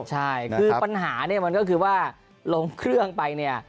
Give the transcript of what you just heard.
ใช่คือปัญหาเนี่ยมันก็คือว่าลงเครื่องไปเนี่ย